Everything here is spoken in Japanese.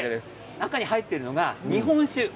中に入ってるのは日本酒です。